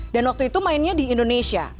dan waktu itu mainnya di indonesia